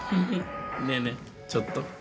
ねえねえちょっと。